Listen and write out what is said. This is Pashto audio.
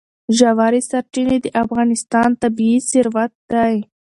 ژورې سرچینې د افغانستان طبعي ثروت دی.